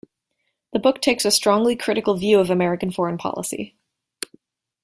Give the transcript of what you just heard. The book takes a strongly critical view of American foreign policy.